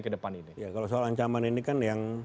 ke depan ini ya kalau soal ancaman ini kan